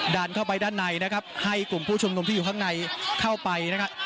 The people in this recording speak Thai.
ดันเข้าไปด้านในนะครับให้กลุ่มผู้ชุมนุมที่อยู่ข้างในเข้าไปนะครับ